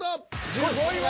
１５位は。